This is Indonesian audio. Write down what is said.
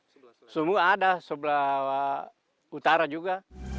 semua ada sebelah utara juga